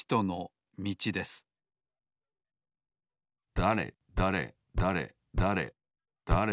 だれだれだれだれだれ